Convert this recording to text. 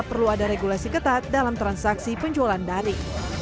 perlu ada regulasi ketat dalam transaksi penjualan dari